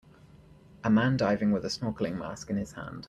A man diving with a snorkeling mask in his hand.